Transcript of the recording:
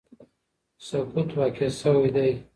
سقوط واقع شوی دی